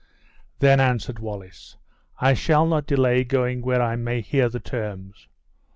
"Then," answered Wallace, "I shall not delay going where I may hear the terms."